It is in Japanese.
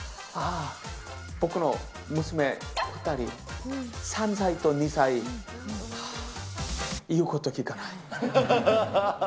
ああ、僕の娘、２人、３歳と２歳、はー、言うこと聞かない。